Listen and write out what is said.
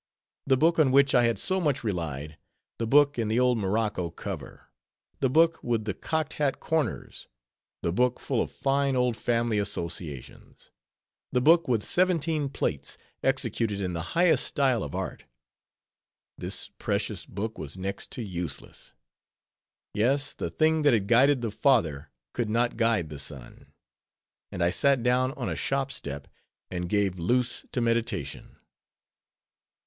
The book on which I had so much relied; the book in the old morocco cover; the book with the cocked hat corners; the book full of fine old family associations; the book with seventeen plates, executed in the highest style of art; this precious book was next to useless. Yes, the thing that had guided the father, could not guide the son. And I sat down on a shop step, and gave loose to meditation.